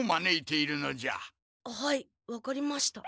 はい分かりました。